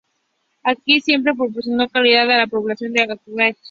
Aquí siempre proporcionó caridad a la población de Auerbach.